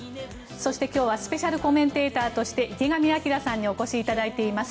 そして今日はスペシャルコメンテーターとして池上彰さんにお越しいただいています。